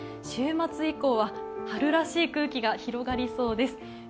週末以降は春らしい空気が広がりそうです。